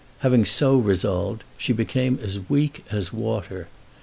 Having so resolved, she became as weak as water.